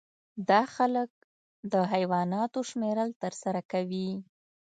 دا خلک د حیواناتو شمیرل ترسره کوي